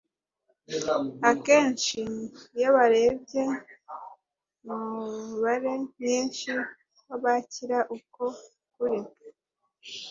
Akenshi iyo barebye muubare mwinshi w'abakira uko kuri,